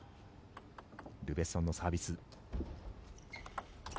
ルベッソンのサービス。